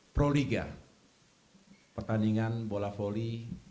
proliga pertandingan bola volley